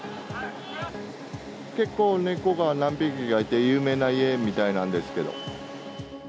結構、猫が何匹かいて有名な家みたいなんですけど。